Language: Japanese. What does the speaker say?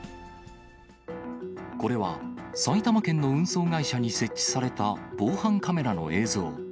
これは、埼玉県の運送会社に設置された防犯カメラの映像。